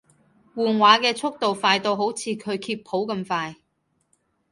換畫嘅速度快到好似佢揭譜咁快